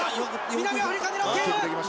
南アフリカ狙っている！